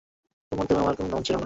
আব্বে যা, নিজের রাস্তা নিজে মাপ।